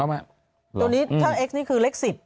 ตัวนี้ถ้าเอ็กซี่นี้คือเลขสิบ